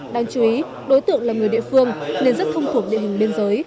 đáng chú ý đối tượng là người địa phương nên rất thông thuộc địa hình biên giới